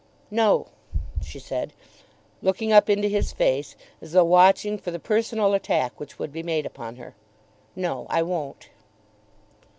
"No;" she said, looking up into his face as though watching for the personal attack which would be made upon her; "no, I won't."